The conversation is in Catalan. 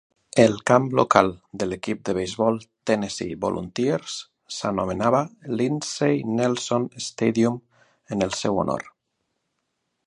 El camp local de l'equip de beisbol Tennessee Volunteers s'anomenava Lindsey Nelson Stadium en el seu honor.